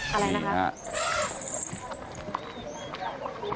อะไรนะครับ